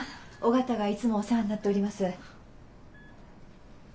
尾形がいつもお世話になっております。